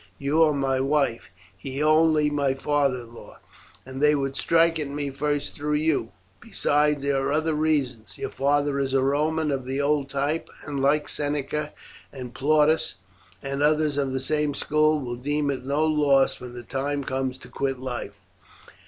You are my wife, he only my father in law, and they would strike at me first through you. Besides, there are other reasons. Your father is a Roman of the old type, and like Seneca and Plautus, and others of the same school, will deem it no loss when the time comes to quit life.